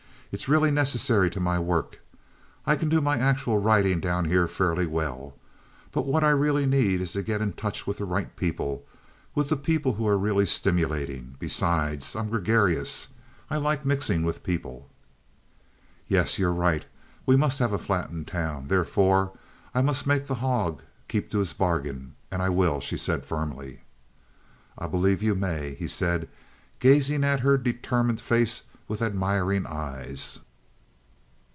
It's really necessary to my work! I can do my actual writing down here fairly well. But what I really need is to get in touch with the right people, with the people who are really stimulating. Besides, I'm gregarious; I like mixing with people." "Yes. You're right. We must have a flat in town. Therefore, I must make the hog keep to his bargain, and I will," she said firmly. "I believe you may," he said, gazing at her determined face with admiring eyes.